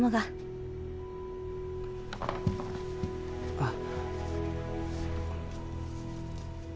あっ。